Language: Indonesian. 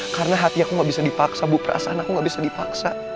karena hati aku nggak bisa dipaksa bu perasaan aku nggak bisa dipaksa